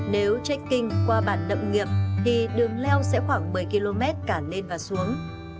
nếu check kinh qua bản nậm nghiệp thì đường leo sẽ khoảng một mươi km cả lên và xuống